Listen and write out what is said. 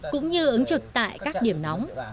cũng như ứng trực tại các điểm nóng